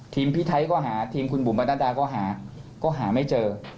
พี่ไทยก็หาทีมคุณบุ๋มประนัดดาก็หาก็หาไม่เจอ